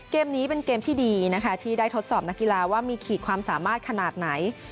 เกมนี้เป็นเกมที่ดีนะคะที่ได้ทดสอบนักกีฬาว่ามีขีดความสามารถขนาดไหน